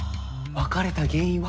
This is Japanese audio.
別れた原因は？